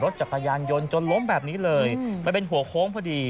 จักรยานยนต์จนล้มแบบนี้เลยมันเป็นหัวโค้งพอดี